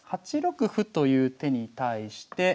８六歩という手に対して。